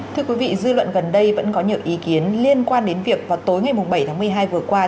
thưa quý vị dư luận gần đây vẫn có nhiều ý kiến liên quan đến việc vào tối ngày bảy tháng một mươi hai vừa qua